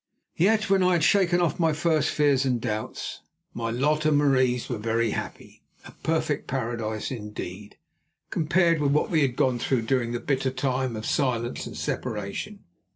Yet, when I had shaken off my first fears and doubts, my lot and Marie's were very happy, a perfect paradise, indeed, compared with what we had gone through during that bitter time of silence and separation.